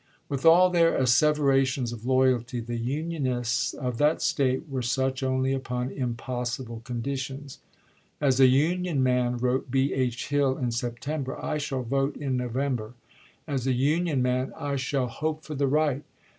With all their asseverations of loyalty, the Unionists of that State were such only upon impossible conditions. "Asa Union man," wrote B. H. Hill, in September, " I shall vote in November. As a Union man I shall THE COTTON " EEPUBLICS " 189 hope for the right.